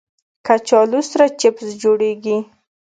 کچالو سره چپس جوړېږي